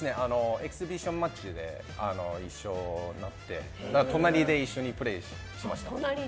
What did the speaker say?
エキシビションマッチで一緒になって隣で一緒にプレーしました。